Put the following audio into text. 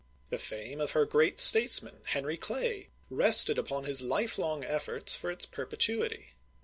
The fame of her great statesman, Henry Clay, rested upon his lifelong efforts for its perpetuity.